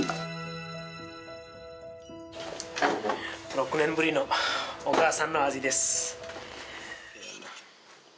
６年ぶりのお母さんの味です